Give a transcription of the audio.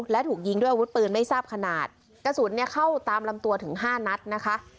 และถูกยิงด้วยอาวุธปืนไม่ทราบขนาดกระสุนเนี่ยเข้าตามลำตัวถึงห้านัดนะคะ